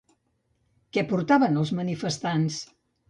Què portaven els manifestants?